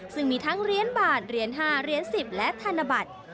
ซึ่งมีทั้งเหรียญบาทเหรียญ๕เหรียญ๑๐และธนบัตร